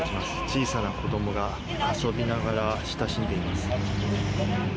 小さな子どもが遊びながら親しんでいます。